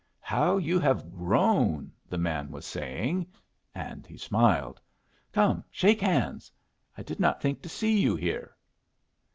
"How you have grown!" the man was saying; and he smiled. "Come, shake hands. I did not think to see you here."